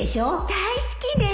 大好きです